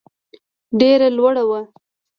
ډېر لوړ وو.